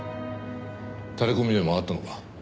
タレコミでもあったのか？